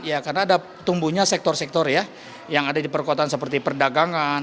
karena ada tumbuhnya sektor sektor yang ada di perkotaan seperti perdagangan